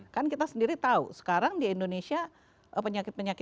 kan kita sendiri tahu sekarang di indonesia penyakit penyakit